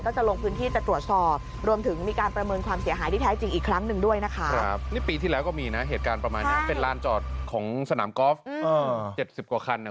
ก็จะลงพื้นที่จะตรวจสอบ